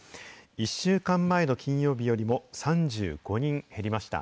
１週間前の金曜日よりも３５人減りました。